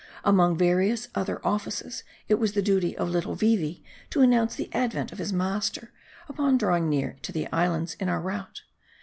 Among various other offices, it was the duty of little Vee Vee to announce the advent of his master, upon draw ing near to the islands in our route.